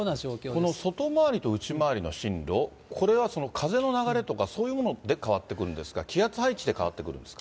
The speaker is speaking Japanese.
この外回りと内回りの進路、これは風の流れとか、そういうもので変わってくるんですか、気圧配置で変わってくるんですか。